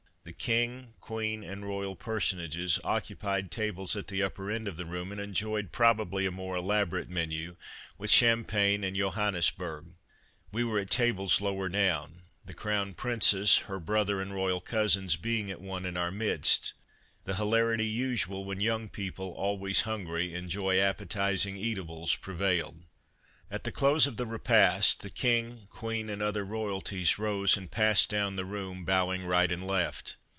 The King, Queen and royal personages occupied tables at the upper end of the room and enjoyed probably a more elaborate menu, with Champagne and Johannisberg ; we were at tables lower down, the Crown Princess, her brother and royal cousins being at one in our midst. The hilarity usual when young people, always hungry, enjoy appetizing eatables prevailed. At the close of the repast the King, Queen and other royalties rose and passed down the room, bowing right and left.